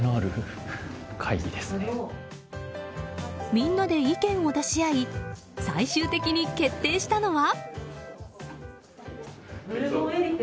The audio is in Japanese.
みんなで意見を出し合い最終的に決定したのは。